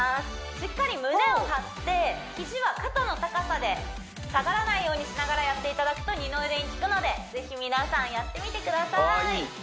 しっかり胸を張って肘は肩の高さで下がらないようにしながらやっていただくと二の腕にきくので是非皆さんやってみてくださいああいい！